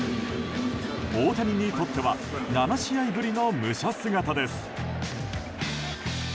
大谷にとっては７試合ぶりの武者姿です。